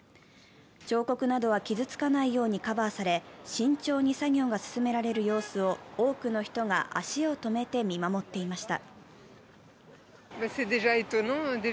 彫刻などは傷つかないようにカバーされ、慎重に作業が進められる様子を多くの人が足を止めて見守っていました。